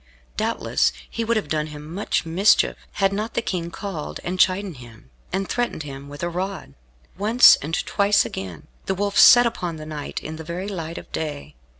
Doubtless he would have done him much mischief, had not the King called and chidden him, and threatened him with a rod. Once, and twice, again, the Wolf set upon the knight in the very light of day.